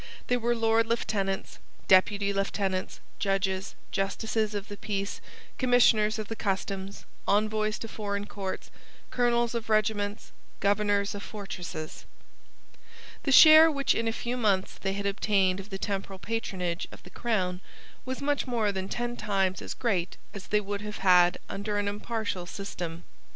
They were Lords Lieutenants, Deputy Lieutenants, judges, justices of the Peace, Commissioners of the Customs, Envoys to foreign courts, Colonels of regiments, Governors of fortresses. The share which in a few months they had obtained of the temporal patronage of the crown was much more than ten times as great as they would have had under an impartial system.